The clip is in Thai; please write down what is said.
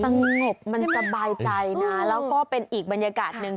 สงบมันสบายใจนะแล้วก็เป็นอีกบรรยากาศหนึ่ง